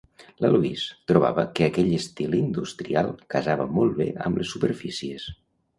La Louise trobava que aquell estil industrial casava molt bé amb les superfícies.